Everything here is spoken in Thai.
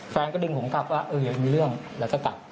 แฟนก็ดึงของเขากลับว่าเออยังมีเรื่องแล้วจะกลับ